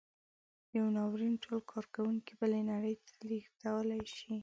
یو ناورین ټول کارکوونکي بلې نړۍ ته لېږدولی شي.